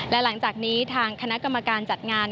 และหลังจากนี้ทางคณะกรรมการจัดงาน